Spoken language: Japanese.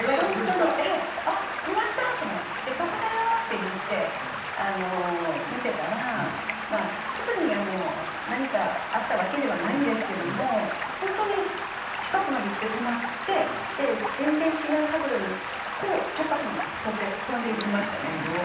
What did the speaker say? あ、止まった！って思ってここだよ！って言って見ていたら、特に何かあったわけではないんですけど本当に、近くまで来て止まって全然違う角度に直角に飛んでいきましたね。